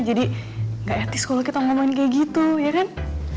jadi gak artis kalau kita ngomongin kayak gitu ya kan